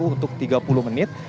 dua puluh untuk tiga puluh menit